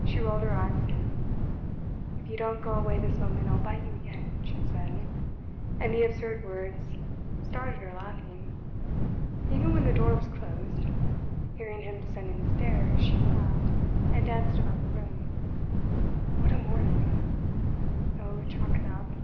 She rolled her eyes at him. "If you don't go away this moment I'll bite you again," she said, and the absurd words started her laughing. Even when the door was closed, hearing him descending the stairs, she laughed, and danced about the room. What a morning! Oh, chalk it up.